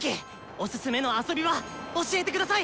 おすすめの遊び場教えて下さい！